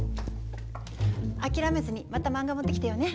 諦めずにまた漫画持ってきてよね。